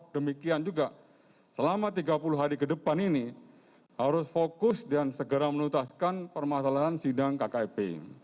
demikian juga selama tiga puluh hari ke depan ini harus fokus dan segera menutaskan permasalahan sidang kkip